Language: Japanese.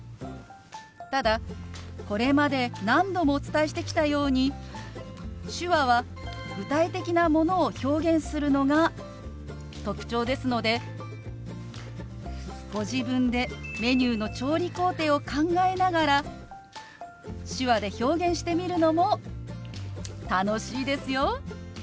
ただこれまで何度もお伝えしてきたように手話は具体的なものを表現するのが特徴ですのでご自分でメニューの調理工程を考えながら手話で表現してみるのも楽しいですよ！